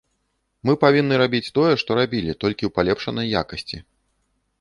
Мы павінны рабіць тое, што рабілі, толькі ў палепшанай якасці.